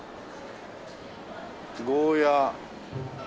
ゴーヤー。